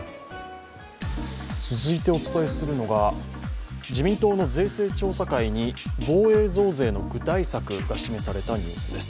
続いてお伝えするのが自民党の税制調査会に防衛増税の具体策が示されたニュースです。